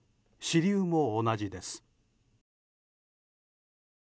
支流も同じです。